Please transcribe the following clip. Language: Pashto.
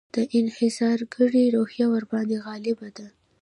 د انحصارګري روحیه ورباندې غالبه ده.